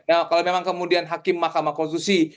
dan kalau memang kemudian hakim mahkamah konstitusi